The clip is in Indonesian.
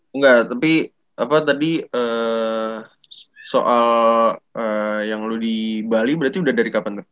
enggak tapi apa tadi soal yang lu di bali berarti udah dari kapan tuh